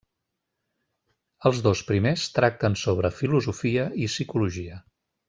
Els dos primers tracten sobre filosofia i psicologia.